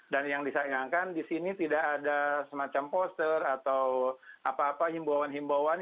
dan yang disayangkan di sini tidak ada semacam poster atau apa apa himbawan himbawan